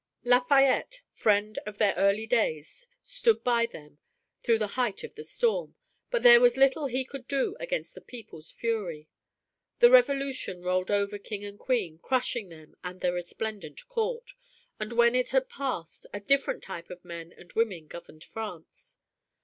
Lafayette, friend of their early days, stood by them through the height of the storm, but there was little he could do against the people's fury. The Revolution rolled over King and Queen, crushing them and their resplendent court, and when it had passed a different type of men and women governed France.